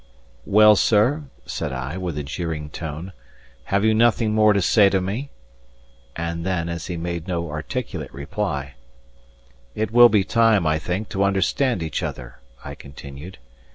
"Well, sir," said I, with a jeering tone, "have you nothing more to say to me?" And then, as he made no articulate reply, "It will be time, I think, to understand each other," I continued.